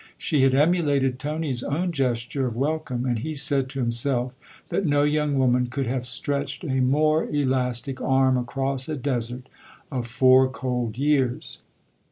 She had emulated Tony's own gesture of welcome, and he said to himself that no young woman could have stretched a more elastic arm across a desert of four cold years.